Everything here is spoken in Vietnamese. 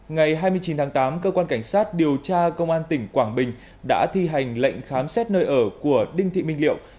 ngày hai mươi chín tháng tám cơ quan cảnh sát điều tra công an tỉnh quảng bình đã thi hành lệnh khám xét nơi ở của đinh thị minh liệu